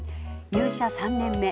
入社３年目。